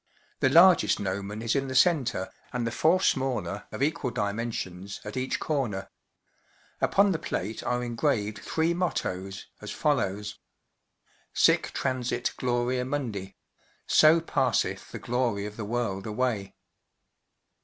The largest gnomon is in the centre, and the four smaller, of equal dimensions, at each corner Upon the plate are engraved three mottoes, as follows “ Sic transit gloria tnundi ” (So fiasseth the glory of the world away).